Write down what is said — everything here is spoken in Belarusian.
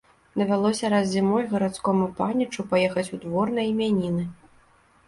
Давялося раз зімой гарадскому панічу паехаць у двор на імяніны.